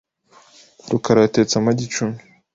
rukara yatetse amagi icumi .